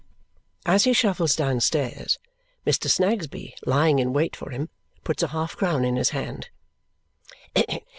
As he shuffles downstairs, Mr. Snagsby, lying in wait for him, puts a half crown in his hand.